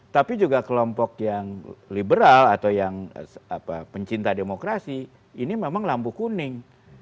tapi juga kelompok yang liberal atau yang pencinta demokrasi ini memang lampu kuning